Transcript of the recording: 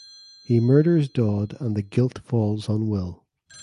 He murders Dodd and the guilt falls on Will.